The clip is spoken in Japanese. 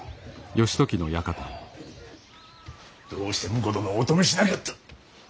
どうして婿殿をお止めしなかった。